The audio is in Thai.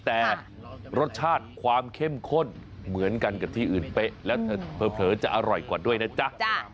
แต่รสชาติความเข้มข้นเหมือนกันกับที่อื่นเป๊ะแล้วเผลอจะอร่อยกว่าด้วยนะจ๊ะ